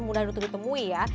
mudah untuk ditemui ya